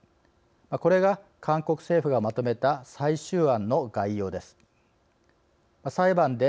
これが韓国政府がまとめた最終案の概要です。